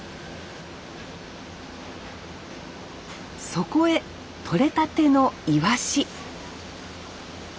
そこへ取れたてのイワシ。